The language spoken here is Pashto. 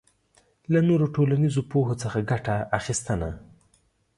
له نورو ټولنیزو پوهو څخه ګټه اخبستنه